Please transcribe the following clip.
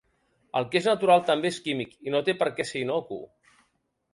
El que és natural també és químic i no té per què ser innocu.